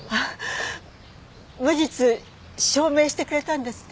無実証明してくれたんですね。